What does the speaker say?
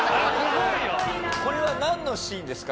これはなんのシーンですか？